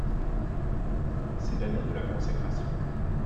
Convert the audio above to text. C'est l'année de la consécration.